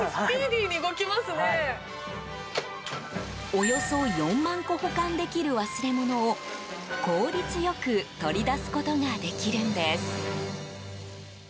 およそ４万個保管できる忘れ物を効率良く取り出すことができるんです。